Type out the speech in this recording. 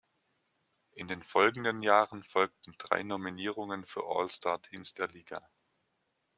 In den folgenden Jahren folgten drei Nominierungen für All-Star-Teams der Liga.